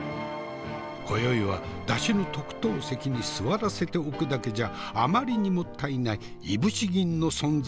今宵はだしの特等席に座らせておくだけじゃあまりにもったいないいぶし銀の存在